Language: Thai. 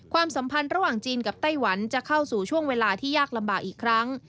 ความสัมพันธ์ระหว่างจีนกับไต้หวันจะเข้าสู่ช่วงเวลาที่ยากลำบากอีกครั้ง